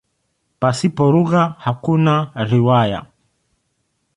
Pasipo lugha hakuna riwaya.